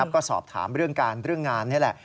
ก็สอบถามเรื่องการเรื่องงานนี่แหละ